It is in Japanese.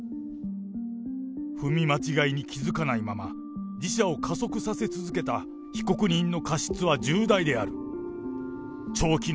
踏み間違いに気付かないまま、自車を加速させ続けた被告人の過失は重大である。